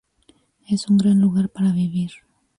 Es un gran lugar para vivir.